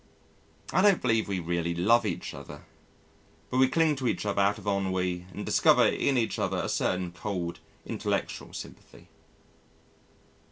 I don't believe we really love each other, but we cling to each other out of ennui and discover in each other a certain cold intellectual sympathy.